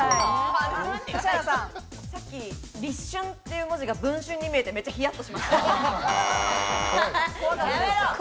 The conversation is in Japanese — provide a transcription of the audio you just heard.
さっき立春っていう文字が『文春』に見えて、めっちゃヒヤッとしました。